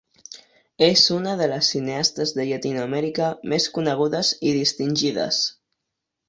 És una de les cineastes de Llatinoamèrica més conegudes i distingides.